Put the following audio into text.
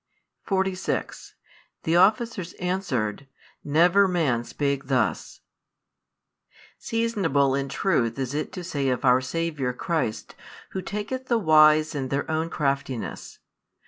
46 The officers answered, Never man spake thus 10. Seasonable in truth is it to say of our Saviour Christ, Who taketh the wise in their own craftiness.